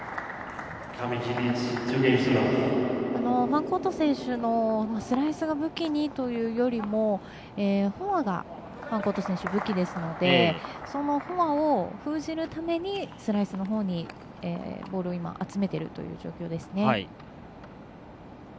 ファンコート選手のスライスが武器にというよりもフォアがファンコート選手は武器ですので、そのフォアを封じるためにスライスのほうにボールを今集めているという状況ですね。